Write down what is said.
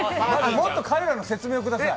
もっと彼らの説明をください。